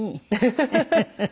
フフフフ！